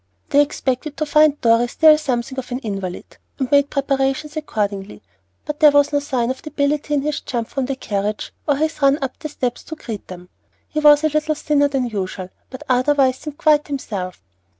They expected to find Dorry still something of an invalid, and made preparations accordingly; but there was no sign of debility in his jump from the carriage or his run up the steps to greet them. He was a little thinner than usual, but otherwise seemed quite himself.